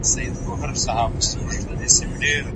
سپین غر تل واوره لري.